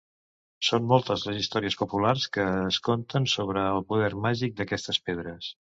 Són moltes les històries populars que es conten sobre el poder màgic d'aquestes pedres.